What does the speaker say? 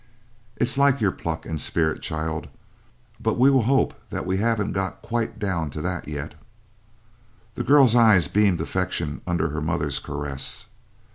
It's like your pluck and spirit, child, but we will hope that we haven't got quite down to that, yet." The girl's eyes beamed affection under her mother's caress.